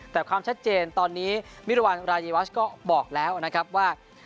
แต่ความชัดเจนตอนนี้มิรวรรณรายีวัชก็บอกแล้วนะครับว่า